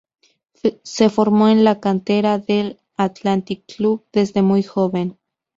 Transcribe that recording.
Se formó en la cantera del Athletic Club desde muy joven.